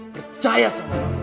percaya sama dia